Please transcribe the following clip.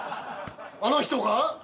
あの人が！？